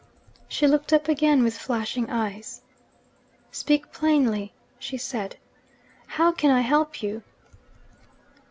She looked up again with flashing eyes, 'Speak plainly,' she said. 'How can I help you?'